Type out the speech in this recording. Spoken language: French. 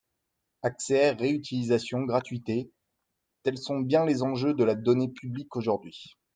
Accès, réutilisation, gratuité : tels sont bien les enjeux de la donnée publique aujourd’hui.